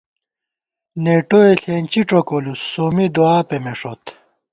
نېٹوئے ݪېنچی ڄوکولُوس، سومّی دُعا پېمېݭوت